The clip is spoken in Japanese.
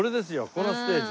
このステージ。